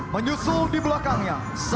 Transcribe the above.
menyusul di belakangnya